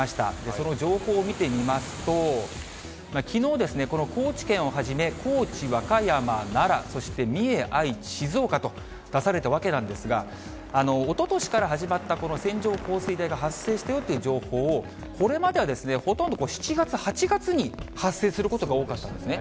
その情報を見てみますと、きのうですね、この高知県をはじめ、高知、和歌山、奈良、そして三重、愛知、静岡と出されたわけなんですが、おととしから始まった、この線状降水帯が発生したよという情報を、これまではですね、ほとんど７月、８月に発生することが多かったんですね。